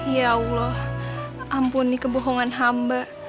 ya allah ampuni kebohongan hamba